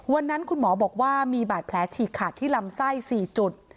วันนั้นคุณหมอบอกว่ามีบาดแผลฉีกขาดที่ลำไส้๔จุด